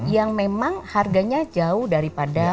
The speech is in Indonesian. yang memang harganya jauh daripada